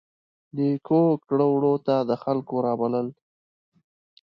نیکو کړو وړو ته د خلکو رابلل.